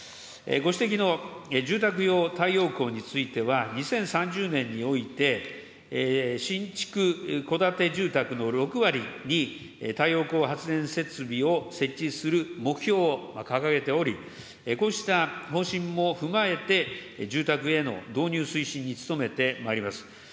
ご指摘の住宅用太陽光については、２０３０年において、新築戸建て住宅の６割に太陽光発電設備を設置する目標を掲げており、こうした方針も踏まえて、住宅への導入推進に努めてまいります。